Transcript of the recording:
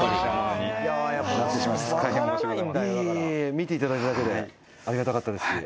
「見て頂いただけでありがたかったですし」